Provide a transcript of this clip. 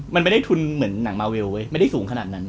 มันไม่ได้ทุนเหมือนหนังมาเวลเว้ยไม่ได้สูงขนาดนั้น